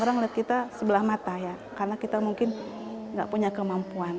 orang lihat kita sebelah mata ya karena kita mungkin nggak punya kemampuan